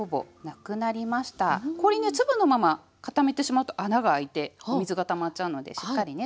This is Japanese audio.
氷ね粒のまま固めてしまうと穴が開いてお水がたまっちゃうのでしっかりね